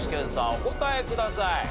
お答えください。